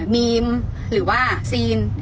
มีมหรือว่าซีน